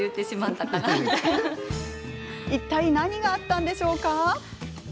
いったい何があったんでしょうか？